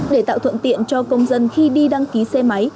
để tạo thuận tiện cho công dân khi đi đăng ký xe máy